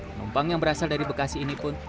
penumpang yang berasal dari bekasi ini pun